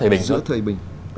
giữa thời bình hơn